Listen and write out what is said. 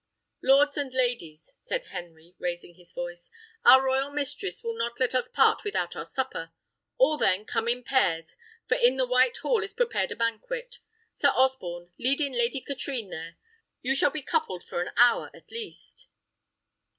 "Lords and ladies," said Henry, raising his voice, "our royal mistress will not let us part without our supper. All, then, come in pairs, for in the White Hall is prepared a banquet. Sir Osborne, lead in Lady Katrine there; you shall be coupled for an hour at least."